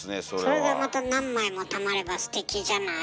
それがまた何枚もたまればステキじゃない？